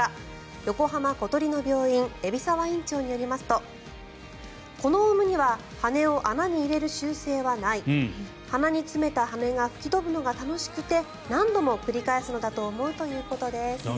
横浜小鳥の病院海老沢院長によりますとこのオウムには羽根を穴に入れる習性はない鼻に詰めた羽根が吹き飛ぶのが楽しくて何度も繰り返すのだと思うということです。